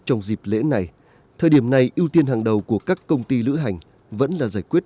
trong dịp lễ này thời điểm này ưu tiên hàng đầu của các công ty lữ hành vẫn là giải quyết